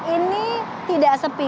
ini tidak sepi